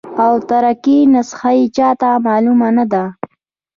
او ترکي نسخه یې چاته معلومه نه ده.